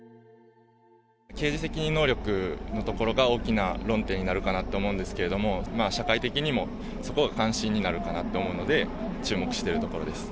刑事責任能力のところが大きな論点になるかなと思うんですけれども、社会的にもそこが関心になるかなと思うので、注目してるところです。